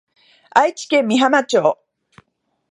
愛知県美浜町